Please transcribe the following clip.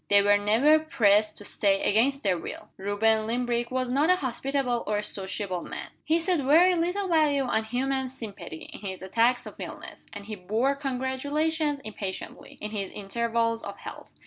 They were never pressed to stay against their will. Reuben Limbrick was not a hospitable or a sociable man. He set very little value on human sympathy, in his attacks of illness; and he bore congratulations impatiently, in his intervals of health.